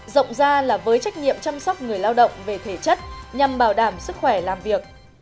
rộng ra là với trách nhiệm chăm sóc người lao động về thể chất nhằm bảo đảm sức khỏe làm việc